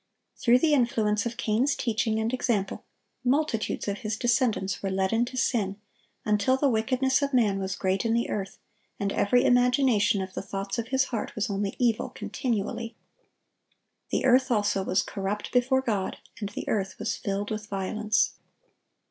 Through the influence of Cain's teaching and example, multitudes of his descendants were led into sin, until "the wickedness of man was great in the earth," and "every imagination of the thoughts of his heart was only evil continually." "The earth also was corrupt before God, and the earth was filled with violence."